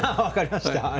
分かりました。